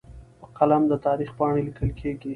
په قلم د تاریخ پاڼې لیکل کېږي.